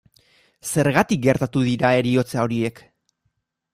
Zergatik gertatu dira heriotza horiek?